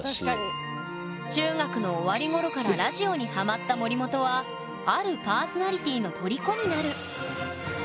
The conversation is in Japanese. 中学の終わりごろからラジオにハマった森本はあるパーソナリティーのとりこになる